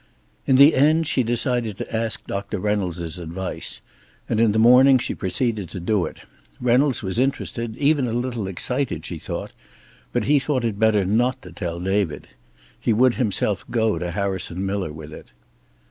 In the end she decided to ask Doctor Reynolds' advice, and in the morning she proceeded to do it. Reynolds was interested, even a little excited, she thought, but he thought it better not to tell David. He would himself go to Harrison Miller with it.